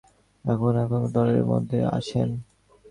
আর শুনুন আফসার সাহেব, আপনি এখন এক ধরনের ঘোরের মধ্যে আছেন।